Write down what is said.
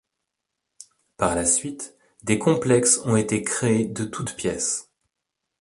Par la suite, des complexes ont été créés de toutes pièces.